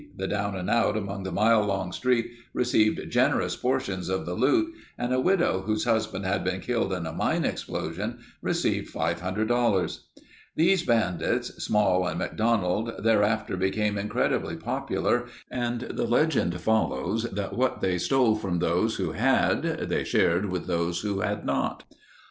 The down and out along the mile long street received generous portions of the loot and a widow whose husband had been killed in a mine explosion, received $500. These bandits, Small and McDonald, thereafter became incredibly popular and the legend follows that what they stole from those who had, they shared with those who hadn't.